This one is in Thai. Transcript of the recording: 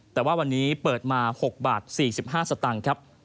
แต่ว่าวันนี้เปิดมา๖บาท๔๕สตางค์ครับ